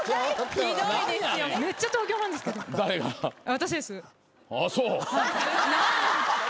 私です。